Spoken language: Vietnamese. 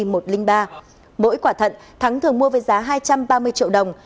mỗi quả thận thắng thường mua với giá hai trăm ba mươi triệu đồng